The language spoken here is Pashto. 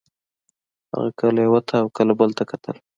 هغه کله یو ته او کله بل ته کتل